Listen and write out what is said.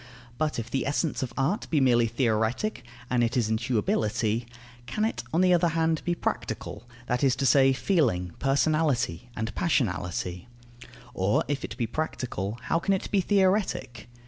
But if the essence of art be merely theoretic and it is intuibility can it, on the other hand, be practical, that is to say, feeling, personality, and passionality? Or, if it be practical, how can it be theoretic?